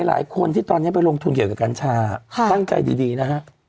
หลายคนที่ตอนนี้ไปลงทุนเกี่ยวกับกัญชาตั้งใจดีนะฮะ